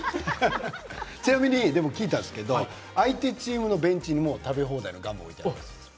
ちなみに聞いたんですけど相手チームのベンチにも食べ放題のガムを置いてるんです。